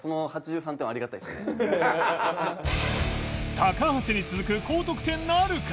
高橋に続く高得点なるか？